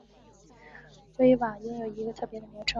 威瓦拥有一个特别的名称。